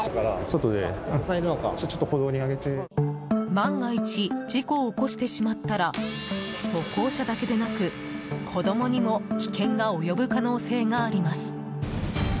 万が一事故を起こしてしまったら歩行者だけでなく、子供にも危険が及ぶ可能性があります。